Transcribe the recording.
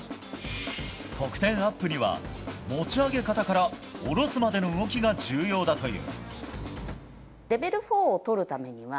得点アップには持ち上げ方から下ろすまでの動きが重要だという。